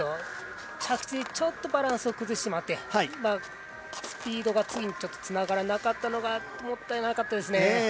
着地でちょっとバランスを崩してしまってスピードが次につながらなかったのがもったいなかったですね。